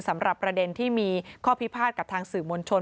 สำหรับประเด็นที่มีข้อพิพาทกับทางสื่อมวลชน